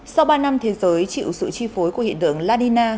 sau ba năm thế giới chịu sự chi phối của hiện tượng ladina